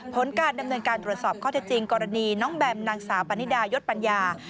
ผลการดำเนินการตรวจสอบข้อเท็จจริงกรณีน้องแบมนางสาวปานิดายศปัญญา